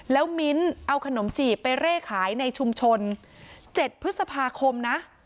แล้วมิ้นท์เอาขนมจีบไปเร่ขายในชุมชน๗พฤษภาคมนะ